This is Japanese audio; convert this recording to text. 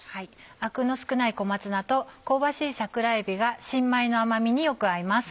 アクの少ない小松菜と香ばしい桜えびが新米の甘みによく合います。